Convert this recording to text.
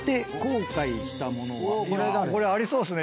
これありそうっすね